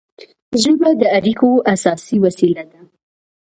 ژبه د اړیکو اساسي وسیله ده.